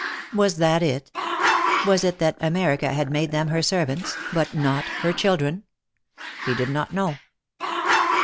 Was that it? Was it that America had made them her servants, but not her children? He did not know.